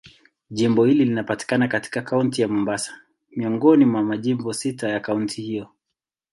Jimbo hili linapatikana katika Kaunti ya Mombasa, miongoni mwa majimbo sita ya kaunti hiyo.